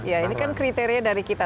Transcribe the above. ya ini kan kriteria dari kita